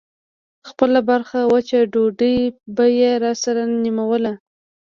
خپله برخه وچه ډوډۍ به يې راسره نيموله.